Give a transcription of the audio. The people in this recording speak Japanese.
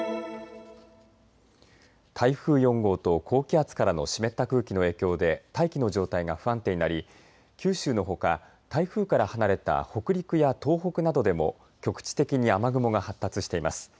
台風４号と高気圧からの湿った空気の影響で大気の状態が不安定になり九州のほか台風から離れた北陸や東北などでも局地的に雨雲が発達しています。